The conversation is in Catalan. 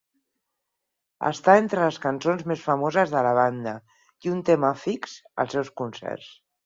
Està entre les cançons més famoses de la banda i un tema fix als seus concerts.